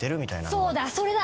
そうだそれだ。